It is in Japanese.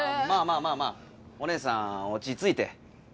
まあまあまあまあおねえさん落ち着いて。